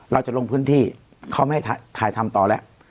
เราจะลงพื้นที่เขาไม่ให้ถ่ายถ่ายทำต่อแล้ว